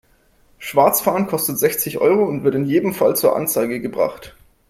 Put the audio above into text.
Schwarzfahren kostet sechzig Euro und wird in jedem Fall zur Anzeige gebracht.